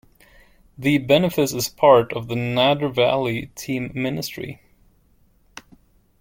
The benefice is part of the Nadder Valley team ministry.